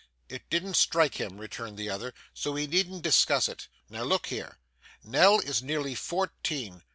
'It didn't strike him,' returned the other, 'so we needn't discuss it. Now look here. Nell is nearly fourteen.